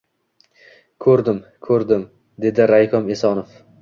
— Ko‘rdim, ko‘rdim, — dedi raykom Esonov.